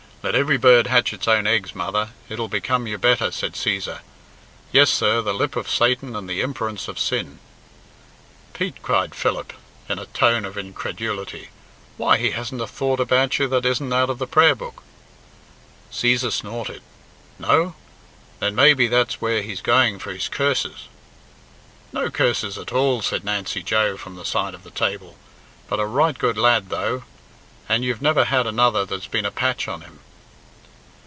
"Let every bird hatch its own eggs, mother; it'll become you better," said Cæsar. "Yes, sir, the lip of Satan and the imperence of sin." "Pete!" cried Philip, in a tone of incredulity; "why, he hasn't a thought about you that isn't out of the Prayer book." Cæsar snorted. "No? Then maybe that's where he's going for his curses." "No curses at all," said Nancy Joe, from the side of the table, "but a right good lad though, and you've never had another that's been a patch on him."